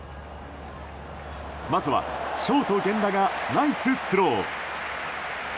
まずはショート、源田がナイススロー！